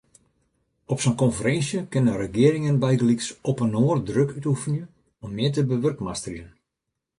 Op sa’n konferinsje kinne regearingen bygelyks opinoar druk útoefenje om mear te bewurkmasterjen.